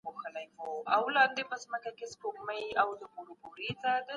وخت کي پوهي تر سرو زرو ښه ده